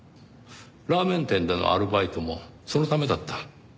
ラーメン店でのアルバイトもそのためだった。